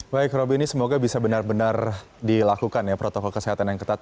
baik roby ini semoga bisa benar benar dilakukan ya protokol kesehatan yang ketat